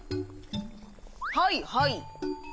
はいはい。